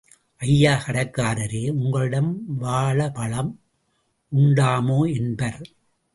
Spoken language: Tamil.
ஐயா, கடைக்காரரே உங்களிடம் வாளபளம் உண்டுமோ? என்பர்.